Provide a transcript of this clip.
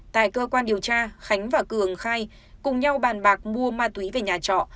tại cơ quan điều tra khánh và cường khai cùng nhau bàn bạc mua ma túy về nhà trọ